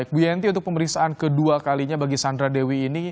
bu yenti untuk pemeriksaan kedua kalinya bagi sandra dewi ini